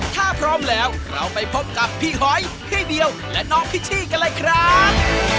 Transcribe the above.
ถ้าพร้อมแล้วเราไปพบกับพี่หอยพี่เดียวและน้องพิชชี่กันเลยครับ